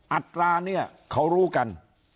อัตราเนี่ยเขารู้กัน